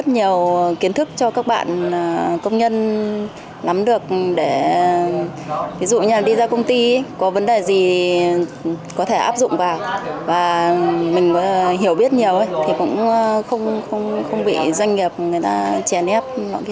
nhiều kiến thức cho các bạn công nhân nắm được để ví dụ như đi ra công ty có vấn đề gì có thể áp dụng vào và mình có thể hiểu biết nhiều thì cũng không bị doanh nghiệp người ta chè nép